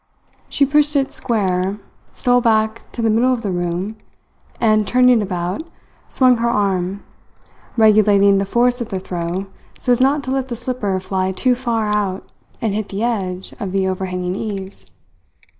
She pushed it square, stole back to the middle of the room, and, turning about, swung her arm, regulating the force of the throw so as not to let the slipper fly too far out and hit the edge of the overhanging eaves.